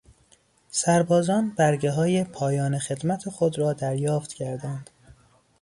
سربازان برگههای پایان خدمت خود را دریافت کردند.